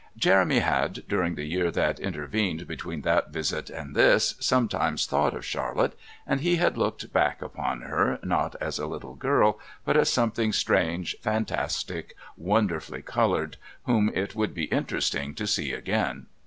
Jeremy had, during the year that intervened between that visit and this, sometimes thought of Charlotte, and he had looked back upon her, not as a little girl but as something strange, fantastic, wonderfully coloured, whom it would be interesting to see again.